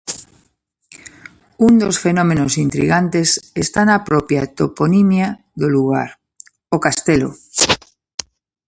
Un dos fenómenos intrigantes está na propia toponimia do lugar: o Castelo.